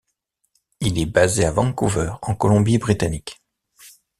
Il est basé à Vancouver, en Colombie-Britannique.